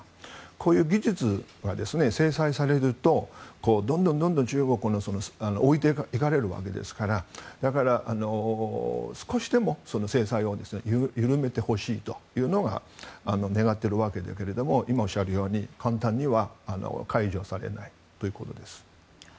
こういう技術が制裁されるとどんどん中国は置いていかれるわけですからだから、少しでも制裁を緩めてほしいというのを狙っているわけだけれども今おっしゃるように簡単には解除されないということです。